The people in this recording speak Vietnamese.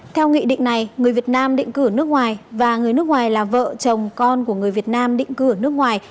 theo nghị định này người việt nam định cử nước ngoài và người nước ngoài là vợ chồng con của người việt nam định cư ở nước ngoài